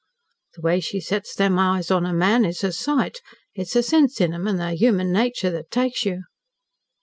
The way she sets them eyes on a man is a sight. It's the sense in them and the human nature that takes you."